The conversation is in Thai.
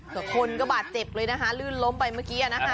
แต่คนก็บาดเจ็บเลยนะคะลื่นล้มไปเมื่อกี้นะคะ